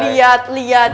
lihat dulu lihat